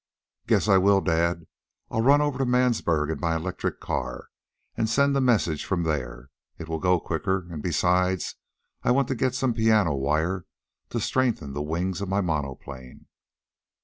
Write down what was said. "Guess I will, dad. I'll run over to Mansburg in my electric car, and send the message from there. It will go quicker, and, besides, I want to get some piano wire to strengthen the wings of my monoplane."